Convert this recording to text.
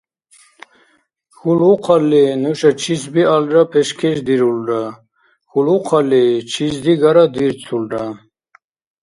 Хьулухъалли, нуша чис-биалра пешкешдирулра, хьулухъалли, чис-дигара дирцулра.